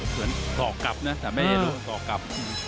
เหมือนทอดกลับนะแต่ไม่เห็นว่าทอดกลับ